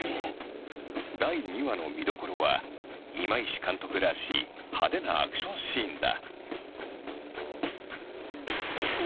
第２話の見どころは今石監督らしい派手なアクションシーンだ。